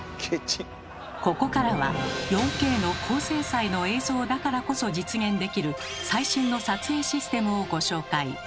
ここからは４Ｋの高精細の映像だからこそ実現できる最新の撮影システムをご紹介。